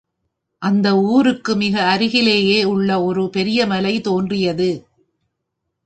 அந்த ஊருக்கு மிக அருகிலேயே உள்ள ஒரு பெரிய மலை தோன்றியது.